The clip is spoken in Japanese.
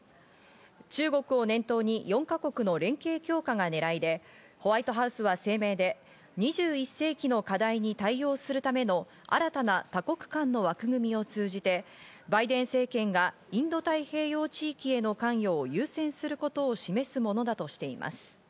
中国を念頭に４か国の連携強化が狙いでホワイトハウスは声明で、２１世紀の課題に対応するための新たな多国間の枠組みを通じてバイデン政権がインド太平洋地域への関与を優先することを示すものだとしています。